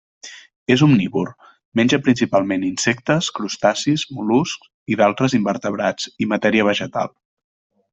És omnívor: menja principalment insectes, crustacis, mol·luscs i d'altres invertebrats, i matèria vegetal.